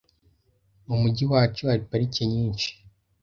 Mu mujyi wacu hari parike nyinshi.